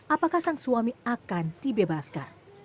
apakah sang suami akan dibebaskan